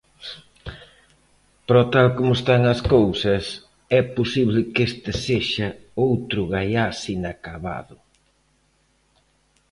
Pero tal como están as cousas é posible que este sexa outro Gaiás inacabado.